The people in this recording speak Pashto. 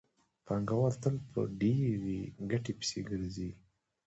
پانګوال تل په ډېرې ګټې پسې ګرځي